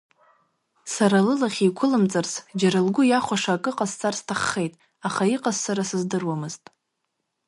Сара лылахь еиқәылымҵарц, џьара лгәы иахәаша акы ҟасҵар сҭаххеит, аха иҟасҵара сыздыруамызт.